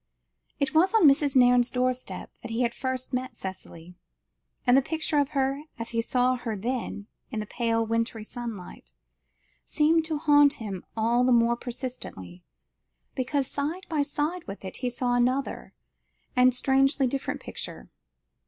It was on Mrs. Nairne's doorstep that he had first met Cicely, and the picture of her as he saw her then in the pale wintry sunlight, seemed to haunt him all the more persistently, because side by side with it, he saw another, and strangely different picture.